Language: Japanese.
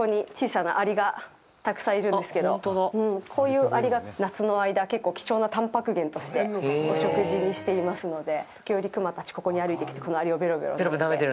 こういうアリが夏の間結構、貴重なたんぱく源としてお食事にしていますので時折、熊たちここに歩いてきてこのアリをベロベロなめて。